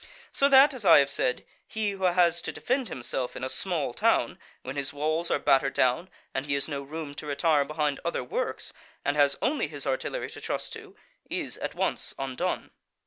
So that, as I have said, he who has to defend himself in a small town, when his walls are battered down and he has no room to retire behind other works, and has only his artillery to trust to, is at once undone.